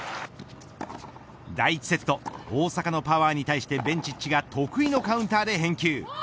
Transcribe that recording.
第１セット大坂のパワーに対してベンチッチが得意のカウンターで返球。